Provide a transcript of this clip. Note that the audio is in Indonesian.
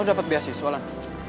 lo dapet beasis ulan